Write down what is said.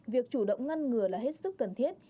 việc chủ động ngăn ngừa là hết sức cần thiết